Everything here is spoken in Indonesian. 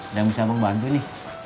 udah bisa abang bantu nih